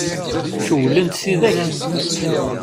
Cewwlent-tt tidak?